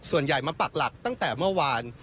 ส่วนใหญ่มาปักหลักตั้งแต่เมื่อวาน